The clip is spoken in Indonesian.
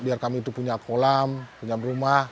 biar kami itu punya kolam punya rumah